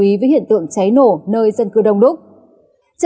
chỉ cần chú ý với hiện tượng cháy nổ nơi dân cư đông đúc